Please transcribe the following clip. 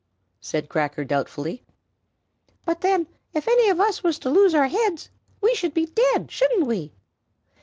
said Cracker, doubtfully. "But then, if any of us were to lose our heads, we should be dead, shouldn't we?"